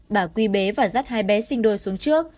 bà quý bế và dắt hai bé sinh đôi xuống trước